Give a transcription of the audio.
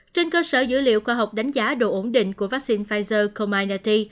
trên cơ sở dữ liệu khoa học đánh giá độ ổn định của vaccine pfizer community